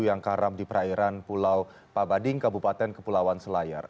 yang karam di perairan pulau pabading kabupaten kepulauan selayar